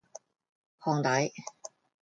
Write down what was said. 烘底